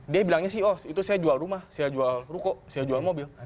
dia bilangnya sih oh itu saya jual rumah saya jual ruko saya jual mobil